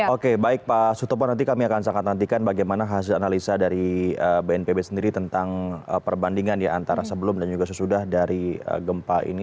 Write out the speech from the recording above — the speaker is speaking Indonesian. oke baik pak sutopo nanti kami akan sangat nantikan bagaimana hasil analisa dari bnpb sendiri tentang perbandingan ya antara sebelum dan juga sesudah dari gempa ini